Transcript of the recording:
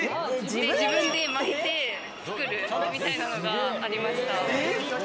自分で巻いて作るみたいなのがありました。